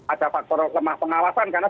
ada faktor lemah pengawasan karena